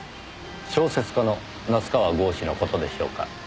小説家の夏河郷士の事でしょうか？